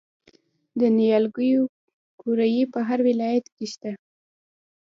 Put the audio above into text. د نیالګیو قوریې په هر ولایت کې شته.